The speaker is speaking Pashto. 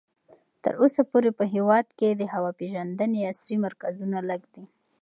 تر اوسه پورې په هېواد کې د هوا پېژندنې عصري مرکزونه لږ دي.